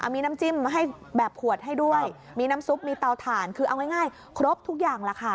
มีน้ำจิ้มให้แบบขวดให้ด้วยมีน้ำซุปมีเตาถ่านคือเอาง่ายครบทุกอย่างแหละค่ะ